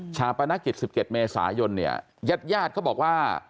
ชาพนักกิจ๑๗เมษายนยัดก็บอกว่า